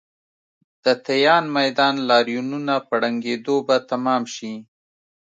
د تیان میدان لاریونونه په ړنګېدو به تمام شي.